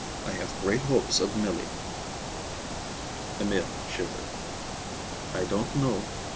I have great hopes of Milly." Emil shivered. "I don't know.